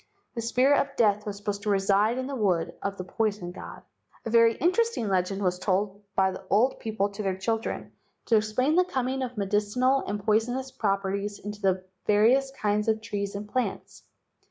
The spirit of death was supposed to reside in the wood of the poison god. A very interesting legend was told by the old people to their children to explain the coming of medicinal and poisonous properties into the various kinds of trees and plants.